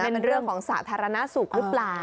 เป็นเรื่องของสาธารณสุขหรือเปล่า